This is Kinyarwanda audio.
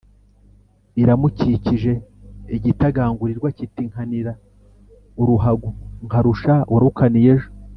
iramukije igitagangurirwa kiti «nkanira uruhago nkarusha uwarukaniye ejo